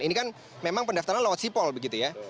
ini kan memang pendaftaran lewat sipol begitu ya